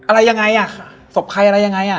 อะไรยังไงอ่ะศพใครอะไรยังไงอ่ะ